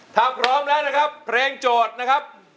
ถ้าพร้อมแล้วนะครับเพลงโจทย์นะครับ